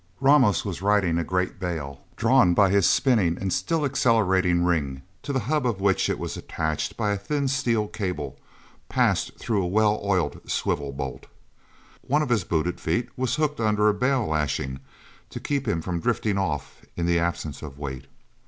Ramos was riding a great bale, drawn by his spinning and still accelerating ring, to the hub of which it was attached by a thin steel cable, passed through a well oiled swivel bolt. One of his booted feet was hooked under a bale lashing, to keep him from drifting off in the absence of weight.